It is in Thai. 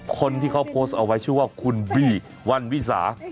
คนที่เขาโพสต์เอาไว้ชื่อว่าคุณบี้วันวิสา